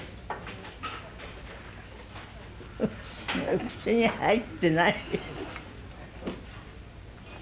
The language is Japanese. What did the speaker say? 口に入ってない。